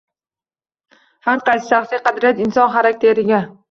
Har qaysi shaxsiy qadriyat inson xarakteriga